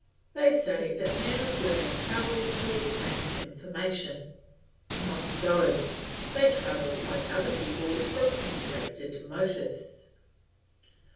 They say that men of learning travel to obtain information; not so, they travel like other people from interested motives.